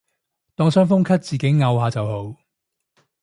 當傷風咳自己漚下就好